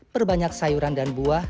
perbanyak sayuran dan buah